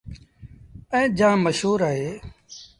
ائيٚݩ جآم مشهور اهي